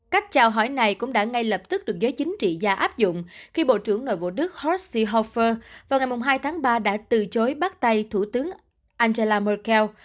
các chào hỏi này cũng đã ngay lập tức được giới chính trị gia áp dụng khi bộ trưởng nội vụ đức hotse hopher vào ngày hai tháng ba đã từ chối bắt tay thủ tướng angela merkel